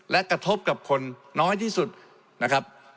และกระทบกับคนน้อยที่สุดนะครับ